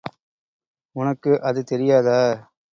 உனக்கு அது தெரியாதா?